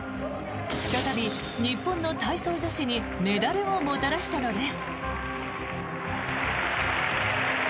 再び日本の体操女子にメダルをもたらしたのです。